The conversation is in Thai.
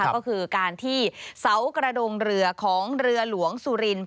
ก็คือการที่เสากระดงเรือของเรือหลวงสุรินท